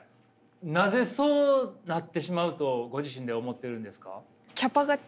なぜそうなってしまうとご自身で思ってるんですか？